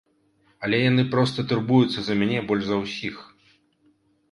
Але яны проста турбуюцца за мяне больш за ўсіх.